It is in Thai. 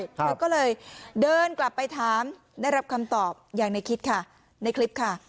แล้วก็เลยเดินกลับไปถามได้รับคำตอบอย่างในคลิปค่ะ